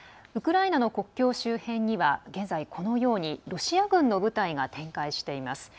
ウクライナの国境周辺にはこのようにロシア軍の部隊が展開しています。